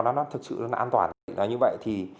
nó thực sự là an toàn như vậy